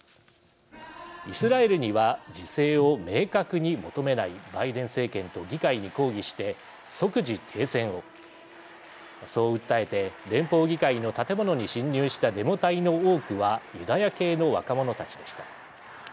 イスラエルには自制を明確に求めないバイデン政権と議会に抗議して「即時停戦を」そう訴えて連邦議会の建物に侵入したデモ隊の多くはユダヤ系の若者たちでした。